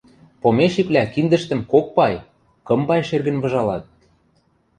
Помещиквлӓ киндӹштӹм кок пай, кым пай шергӹн выжалат...